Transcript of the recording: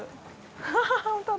アハハッ本当だ。